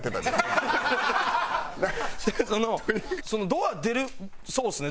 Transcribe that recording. ドア出るそうっすね。